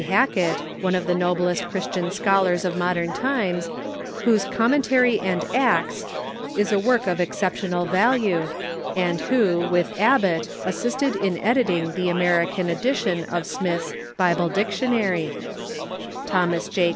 Hack ett, one of the noblest Christian scholars of modern times, The Later Bib Avhose "Commentary and Acts" is a work of ex hcai Scholars ceptional value, and who, with Abbot, assisted in editing the American edition of Smith's "Bible Dictionary"; Thomas J.